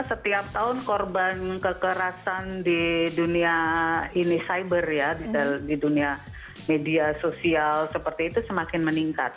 setiap tahun korban kekerasan di dunia ini cyber ya di dunia media sosial seperti itu semakin meningkat